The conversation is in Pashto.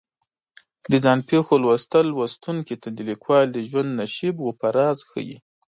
د ځان پېښو لوستل لوستونکي ته د لیکوال د ژوند نشیب و فراز ښیي.